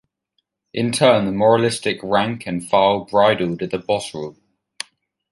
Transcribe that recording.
In turn the moralistic rank and file bridled at the boss rule.